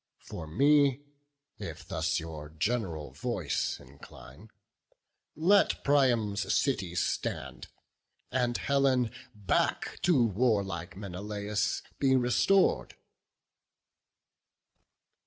For me, if thus your gen'ral voice incline, Let Priam's city stand, and Helen back To warlike Menelaus be restor'd."